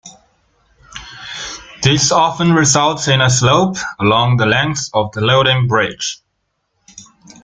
This often results in a slope along the length of the loading bridge.